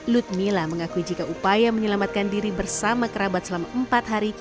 lutmila mengakui jika upaya menyelamatkan diri bersama kerabat selama empat hari